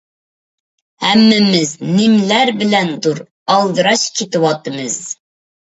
ھەممىمىز نېمىلەر بىلەندۇر ئالدىراش كېتىۋاتىمىز.